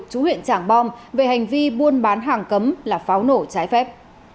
chú huyện trảng bom về hành vi buôn bán hàng cấm là pháo nổ trái phép